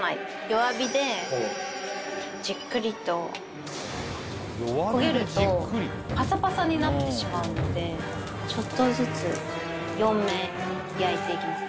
弱火でじっくりと。になってしまうのでちょっとずつ４面焼いて行きます。